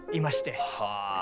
はあ。